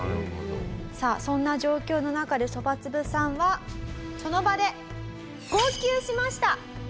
さあそんな状況の中でそばつぶさんはその場で号泣しました。